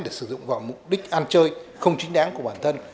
để sử dụng vào mục đích ăn chơi không chính đáng của bản thân